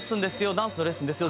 「ダンスのレッスンですよ」